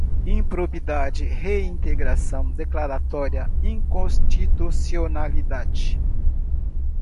improbidade, reintegração, declaratória, inconstitucionalidade